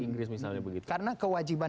inggris misalnya begitu karena kewajiban